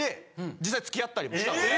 実際付き合ったりもしたんですよ。